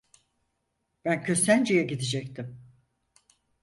Ben Köstence'ye gidecektim.